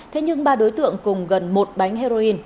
thế nhưng ba đối tượng cùng gần một bánh heroin